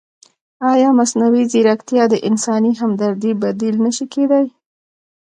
ایا مصنوعي ځیرکتیا د انساني همدردۍ بدیل نه شي کېدای؟